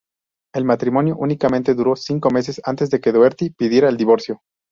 El matrimonio únicamente duró cinco meses antes de que Doherty pidiera el divorcio.